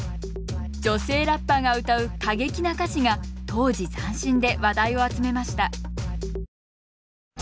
女性ラッパーが歌う過激な歌詞が当時斬新で話題を集めました